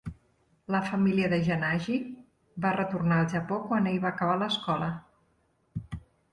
La família de Yanagi va retornar al Japó quan ell va acabar l'escola.